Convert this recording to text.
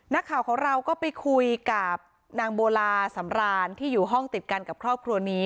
นักข่าวของเราก็ไปคุยกับนางโบลาสำรานที่อยู่ห้องติดกันกับครอบครัวนี้